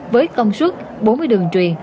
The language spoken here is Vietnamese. với công suất bốn mươi đường truyền